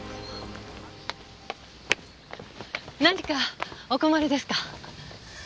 何かお困りですか？